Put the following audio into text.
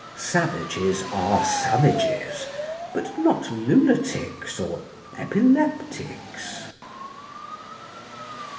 Savages are savages, but not lunatics or epileptics.